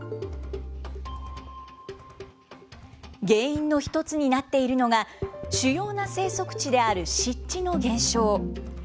原因の一つになっているのが、主要な生息地である湿地の減少。